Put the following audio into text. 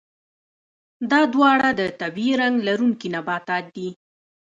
دا دواړه د طبیعي رنګ لرونکي نباتات دي.